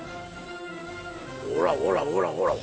ほらほらほらほら